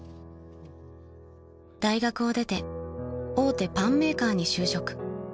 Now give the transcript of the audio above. ［大学を出て大手パンメーカーに就職］